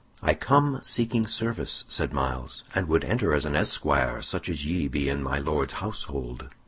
"I come seeking service," said Myles, "and would enter as an esquire such as ye be in my Lord's household."